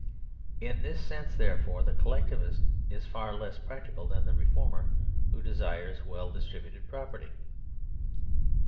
In this sense, therefore, the Collectivist is far less practical than the reformer who desires well distri buted property.